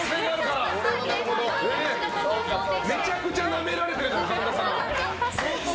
めちゃくちゃなめられてる神田さん。